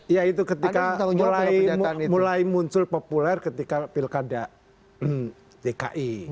ya itu ketika mulai muncul populer ketika pilkada dki